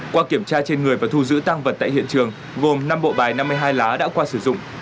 qua kiểm tra trên người và thu giữ tăng vật tại hiện trường gồm năm bộ bài năm mươi hai lá đã qua sử dụng